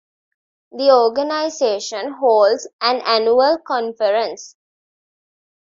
The organization holds an annual conference.